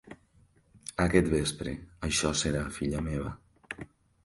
Aquest vespre. Això serà, filla meva.